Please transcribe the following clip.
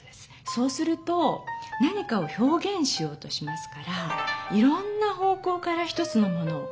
そうすると何かをひょうげんしようとしますからいろんな方向から一つのものを見ようとします。